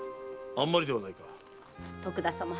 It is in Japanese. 徳田様。